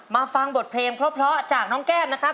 ฟังบทเพลงเพราะจากน้องแก้มนะครับ